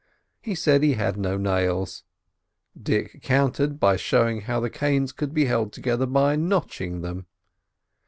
He said he had no nails. Dick countered by showing how the canes could be held together by notching them.